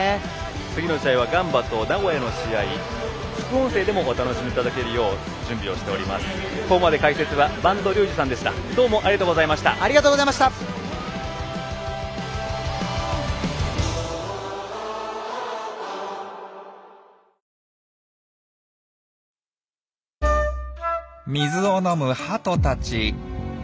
次の試合はガンバと名古屋の試合副音声でもお楽しみいただけるよう水を飲むハトたち。